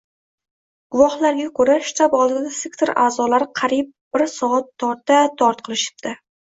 Guvohlarga ko‘ra, shtab oldida sektor a’zolari qariyb bir soat torta-tort qilishibdi.